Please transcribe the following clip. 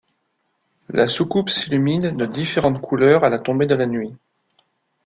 La soucoupe s'illumine de différentes couleurs à la tombée de la nuit.